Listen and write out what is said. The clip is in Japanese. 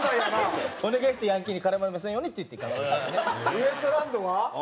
ウエストランドは？